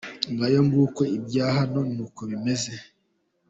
Ngayo nguko ibya hano niko bimeze.